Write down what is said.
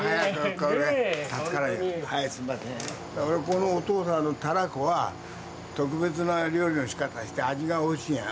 このおとうさんのたらこは特別な料理のしかたして味がおいしいんや。